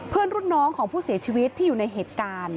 รุ่นน้องของผู้เสียชีวิตที่อยู่ในเหตุการณ์